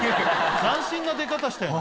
斬新な出方したよね。